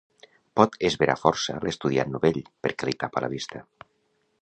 Pot esverar força l'estudiant novell, perquè li tapa la vista.